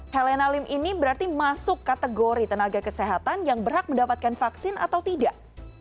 helena lim ini berarti masuk kategori tenaga kesehatan yang berhak mendapatkan vaksin atau tidak